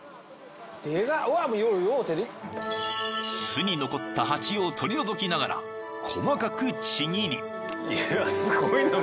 ［巣に残ったハチを取り除きながら細かくちぎり］